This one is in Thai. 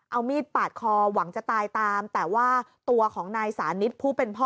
เอามีดปาดคอหวังจะตายตามแต่ว่าตัวของนายสานิทผู้เป็นพ่อ